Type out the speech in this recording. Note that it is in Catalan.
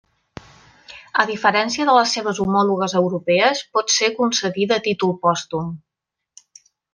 A diferència de les seves homòlogues europees, pot ser concedida a títol pòstum.